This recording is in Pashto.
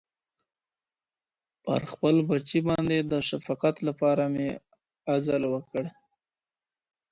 پر خپل بچي باندي د شفقت لپاره مي عزل وکړ.